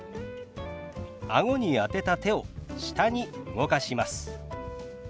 あごに当てた手を下に動かします。